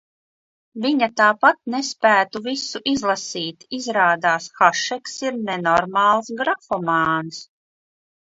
Viņa tāpat nespētu visu izlasīt. Izrādās, Hašeks ir nenormāls grafomāns.